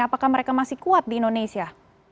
apakah mereka masih kuat di indonesia